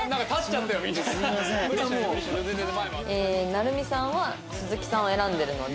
成美さんは鈴木さんを選んでるので。